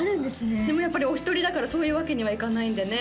でもやっぱりお一人だからそういうわけにはいかないんでね